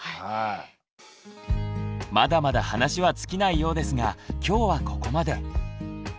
まだまだ話は尽きないようですが今日はここまで。